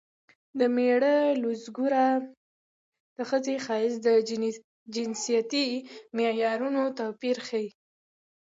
د مېړه لوز ګوره د ښځې ښایست د جنسیتي معیارونو توپیر ښيي